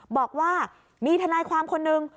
บอกว่ามีทนายความคนหนึ่ง